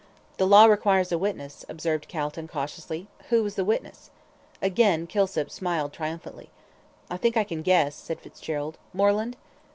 "The law requires a witness," observed Calton, cautiously. "Who was the witness?" Again Kilsip smiled triumphantly. "I think I can guess," said Fitzgerald. "Moreland?"